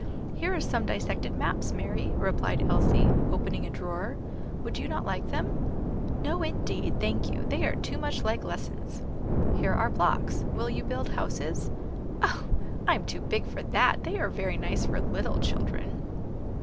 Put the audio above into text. "Here are some dissected maps, Mary," replied Elsie, opening a drawer; "would you not like them?" "No, indeed, thank you; they are too much like lessons." "Here are blocks; will you build houses?" "Oh! I am too big for that; they are very nice for little children."